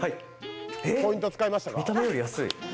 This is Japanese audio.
見た目より安い。